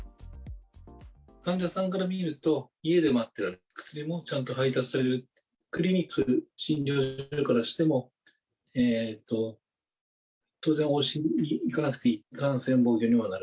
患者さんから見ると、家で待っていられる、薬もちゃんと配達される、クリニック、診療所からしても、当然往診に行かなくていい、感染防御にもなる。